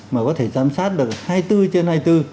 mà có thể giám sát được hai mươi bốn trên hai mươi bốn